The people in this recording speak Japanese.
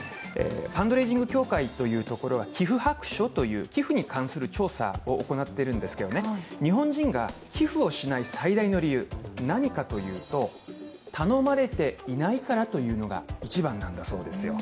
ファンドレイジング協会というところは、寄付白書という寄付に関する調査を行っているんですけど、日本人が寄付をしない最大の理由、何かというと頼まれていないからというのが一番なんだそうなんですよ。